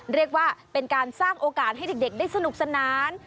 เรียกว่าเป็นการสร้างโอกาสให้เด็กได้สนุกสนาน